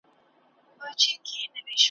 سهار به څرنګه بې واکه اونازک لاسونه ,